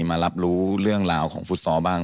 มารับรู้เรื่องราวของฟุตซอลบ้าง